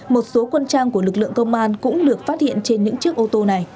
một số quân trang của lực lượng công an cũng được phát hiện trên những chiếc ô tô này